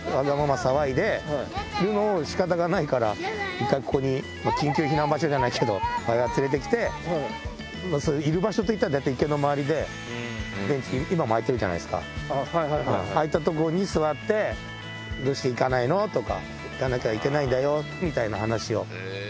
騒いで、でもしかたがないから、一回ここに、緊急避難場所じゃないけど、母親が連れてきて、いる場所といったら、大体池の周りで、今も空いてるじゃないですか、ああいった所に座って、どうして行かないの？とか、行かなきゃいけないんだよみたいな話を。